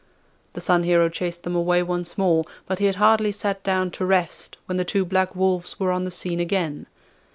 The Sun Hero chased them away once more, but he had hardly sat down to rest when the two black wolves were on the scene again.